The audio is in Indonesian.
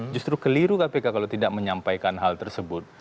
justru keliru kpk kalau tidak menyampaikan hal tersebut